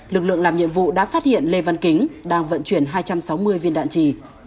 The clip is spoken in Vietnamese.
lực lượng làm nhiệm vụ đã phát hiện lê văn kính đang vận chuyển hai trăm sáu mươi viên đạn trì